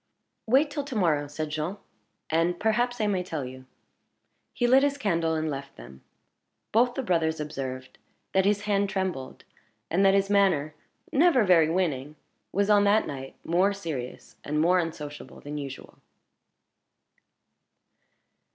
"Wait till to morrow," said Jean, "and perhaps I may tell you." He lit his candle, and left them. Both the brothers observed that his hand trembled, and that his manner never very winning was on that night more serious and more unsociable than usual.